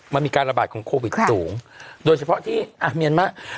มันมีการระบาดของโควิดสูงโดยเฉพาะที่เมียนมาร์